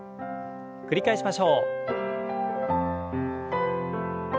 繰り返しましょう。